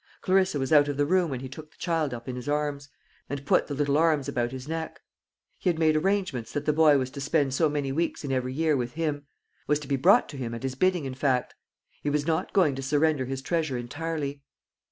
Clarissa was out of the room when he took the child up in his arms, and put the little arms about his neck. He had made arrangements that the boy was to spend so many weeks in every year with him was to be brought to him at his bidding, in fact; he was not going to surrender his treasure entirely.